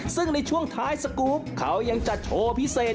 ซึ่งในช่วงท้ายสกรูปเขายังจัดโชว์พิเศษ